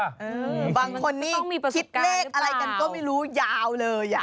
บางคนนี่คิดเลขอะไรกันก็ไม่รู้ยาวเลยอ่ะ